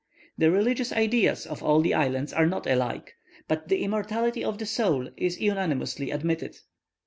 The religious ideas of all the islands are not alike, but the immortality of the soul is unanimously admitted.